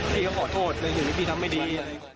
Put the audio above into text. พี่เขาขอโทษแต่ถึงพี่ทำไม่ดี